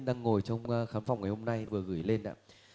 đang ngồi trong khán phòng ngày hôm nay vừa gửi lên ạ